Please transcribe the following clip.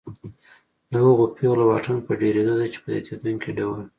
د هغو پیغلو واټن په ډېرېدو دی چې په زیاتېدونکي ډول